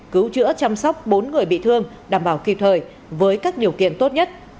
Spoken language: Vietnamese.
cứu chữa chăm sóc bốn người bị thương đảm bảo kịp thời với các điều kiện tốt nhất